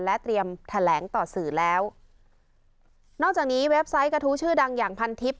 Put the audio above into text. และเตรียมแถลงต่อสื่อแล้วนอกจากนี้เว็บไซต์กระทู้ชื่อดังอย่างพันทิพย